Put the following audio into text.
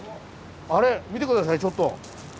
あれ見て下さいちょっと。